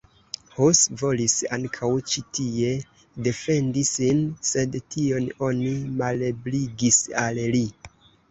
Hus volis ankaŭ ĉi tie defendi sin, sed tion oni malebligis al li.